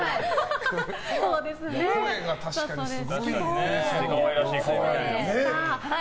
声が確かにすごいね。